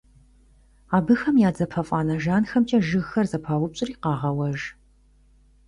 Абыхэм я дзапэфӀанэ жанхэмкӀэ жыгхэр зэпаупщӀри къагъэуэж.